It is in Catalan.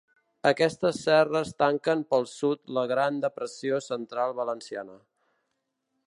Aquestes serres tanquen pel sud la gran Depressió Central Valenciana.